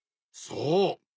そう。